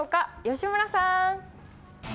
吉村さん。